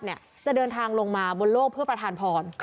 จะเดินทางลงมาบนโลกเพื่อประทานพร